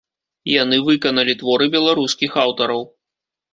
Яны выканалі творы беларускіх аўтараў.